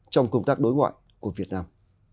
trong công tác đối ngoại của việt nam